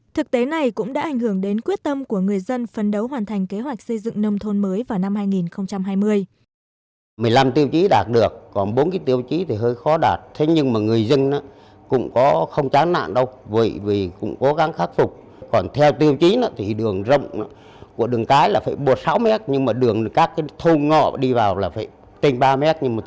thực tế này cũng đã ảnh hưởng đến quyết tâm của người dân phấn đấu hoàn thành kế hoạch xây dựng nông thôn mới vào năm hai nghìn hai mươi